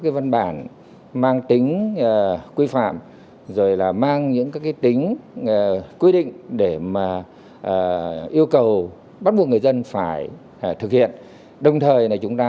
cái việc làm của công an phường